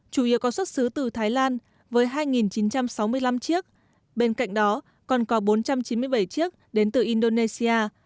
chủ yếu có xuất xứ từ thái lan với hai chín trăm sáu mươi năm chiếc bên cạnh đó còn có bốn trăm chín mươi bảy chiếc đến từ indonesia